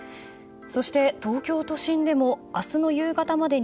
そして東京都心でも明日の夕方までに